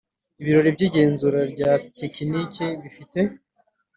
Ibiro by igenzura rya tekiniki bifite